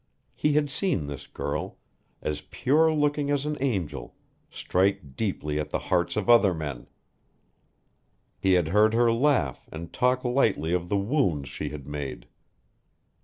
He had seen this girl, as pure looking as an angel, strike deeply at the hearts of other men; he had heard her laugh and talk lightly of the wounds she had made.